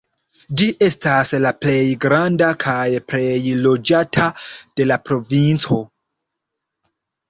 Ĝi estas la plej granda kaj plej loĝata de la provinco.